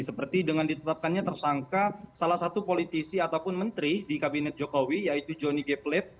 seperti dengan ditetapkannya tersangka salah satu politisi ataupun menteri di kabinet jokowi yaitu johnny g plet